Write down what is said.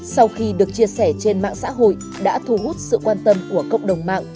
sau khi được chia sẻ trên mạng xã hội đã thu hút sự quan tâm của cộng đồng mạng